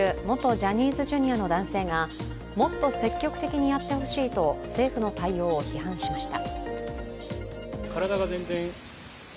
ジャニーズＪｒ．の男性がもっと積極的にやってほしいと政府の対応を批判しました。